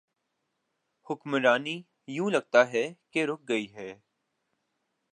حکمرانی یوں لگتا ہے کہ رک گئی ہے۔